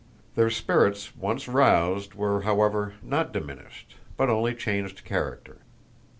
Their spirits once roused were, however, not diminished, but only changed character.